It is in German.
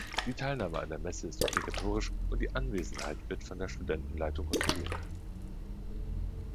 Die Teilnahme an der Messe ist obligatorisch und die Anwesenheit wird von der Studentenleitung kontrolliert.